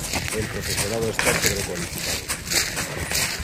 El profesorado está sobrecualificado.